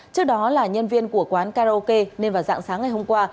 trước đó là nhân viên của quán karaoke nên vào dạng sáng ngày hôm qua